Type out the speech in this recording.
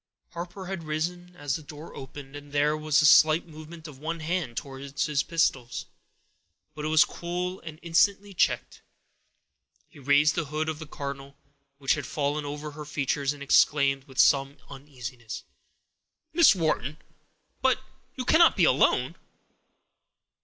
Harper had risen as the door opened, and there was a slight movement of one hand towards his pistols; but it was cool and instantly checked. He raised the hood of the cardinal, which had fallen over her features, and exclaimed, with some uneasiness,— "Miss Wharton! But you cannot be alone?"